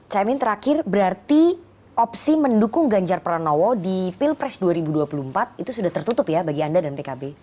caimin terakhir berarti opsi mendukung ganjar pranowo di pilpres dua ribu dua puluh empat itu sudah tertutup ya bagi anda dan pkb